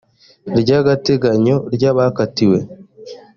ry agateganyo ry abakatiwe